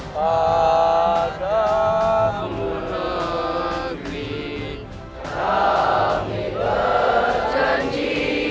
padamu negeri kami berjanji